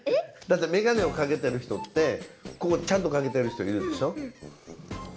だってめがねをかけてる人ってちゃんとかけてる人いるでしょ。